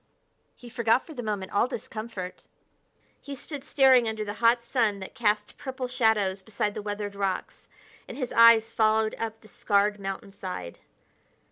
He forgot for the moment all discomfort. He stood staring under the hot sun that cast purple shadows beside the weathered rocks, and his eyes followed up the scarred mountainside.